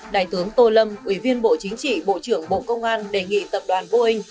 đại tướng tô lâm ủy viên bộ chính trị bộ trưởng bộ công an đề nghị tập đoàn boeing